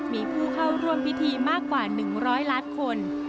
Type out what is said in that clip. มีผู้เข้าร่วมพิธีมากกว่าหนึ่งร้อยล้านคน